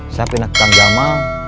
saya pindah ke kam jamal